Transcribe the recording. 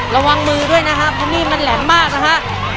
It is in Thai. ระวังมือด้วยนะครับเพราะนี่มันแหลมมากนะฮะ